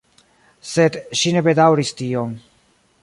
Sed ŝi ne bedaŭris tion.